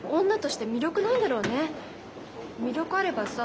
魅力あればさ